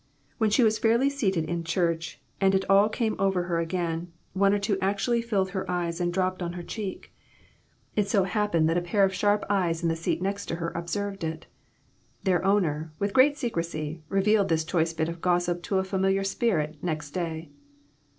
When she was fairly seated in church and it all came over her again, one or two actually filled her eyes and dropped on her cheek. It so Il6 IMPROMPTU VISITS. happened that a pair of sharp eyes in the seat next her observed it. Their owner, with great secrecy, revealed this choice bit of gossip to a familiar spirit next day.